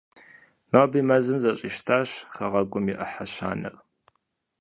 Ноби мэзым зэщӀищтащ хэгъэгум и ӏыхьэ щанэр.